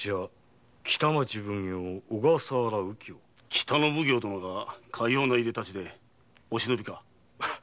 北の奉行殿がかようないでたちでお忍びか。